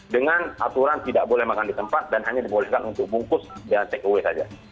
dengan aturan tidak boleh makan di tempat dan hanya dibolehkan untuk bungkus ya take away saja